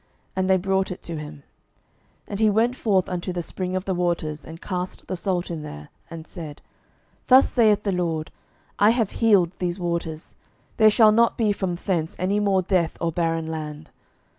And they brought it to him. 12:002:021 And he went forth unto the spring of the waters, and cast the salt in there, and said, Thus saith the LORD, I have healed these waters; there shall not be from thence any more death or barren land.